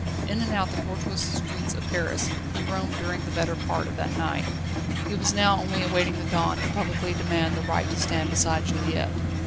In and out the tortuous streets of Paris he roamed during the better part of that night. He was now only awaiting the dawn to publicly demand the right to stand beside Juliette.